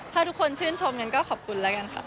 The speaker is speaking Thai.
ถ้าทุกคนชื่นชมกันก็ขอบคุณแล้วกันค่ะ